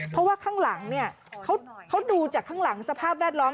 เพราะว่าข้างหลังเนี่ยเขาดูจากข้างหลังสภาพแวดล้อม